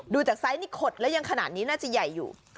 ดูจากไซส์นี่ขดแล้วยังขนาดนี้น่าจะใหญ่อยู่